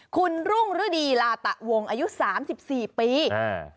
คุณรุ่งรดีลาตะวงอายุ๓๔ปีอ่า